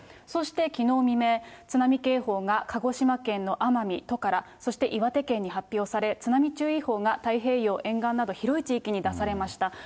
そして、きのう未明、津波警報が鹿児島県の奄美、トカラ、そして岩手県に発表され、津波注意報が太平洋沿岸など、広い地域に出されました。